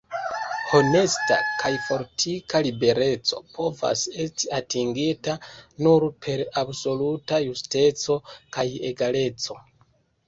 Honesta kaj fortika libereco povas esti atingita nur per absoluta justeco kaj egaleco.